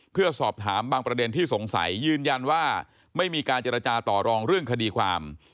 เพื่อสอบถามบางประเด็นที่สงสัยยืนยันว่าไม่มีการเจรจาต่อรองเรื่องคดีความ